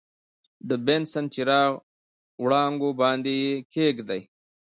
د بنسن چراغ وړانګو باندې یې کیږدئ.